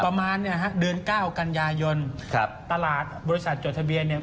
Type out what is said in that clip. ประมาณเนี้ยฮะเดือนเก้ากันยายนครับตลาดบริษัทจดทะเบียนเนี่ย